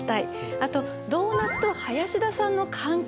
あとドーナツと林田さんの関係。